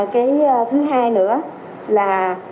cái thứ hai nữa là